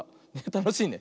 たのしいね。